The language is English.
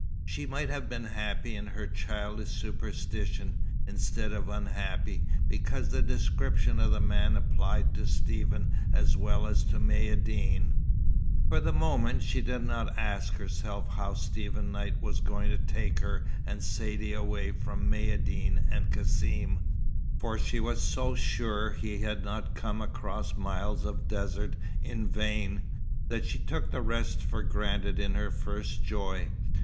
She might have been happy in her childish superstition, instead of unhappy, because the description of the man applied to Stephen as well as to Maïeddine. For the moment, she did not ask herself how Stephen Knight was going to take her and Saidee away from Maïeddine and Cassim, for she was so sure he had not come across miles of desert in vain, that she took the rest for granted in her first joy.